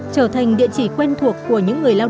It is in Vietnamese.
trở thành địa chỉ quen thuộc của những người lao động